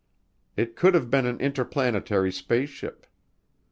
It could have been an interplanetary spaceship.